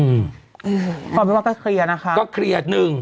อืมความเป็นว่าก็เคลียร์นะคะก็เคลียร์หนึ่ง